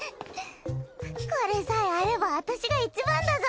これさえあれば私が１番だぞ！